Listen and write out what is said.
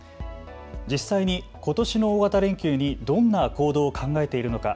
実際に、ことしの大型連休にどんな行動を考えているのか。